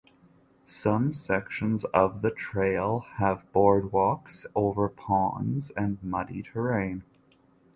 Some sections of the trail have boardwalks over ponds and muddy terrain.